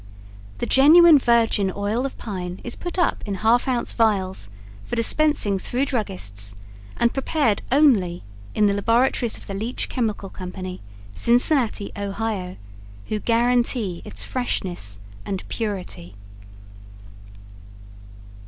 The genuine virgin oil of pine is put up in half ounce vials for dispensing through druggists and prepared only in the laboratories of the Leach Chemical Co., Cincinnati, O., who guarantee its freshness and purity.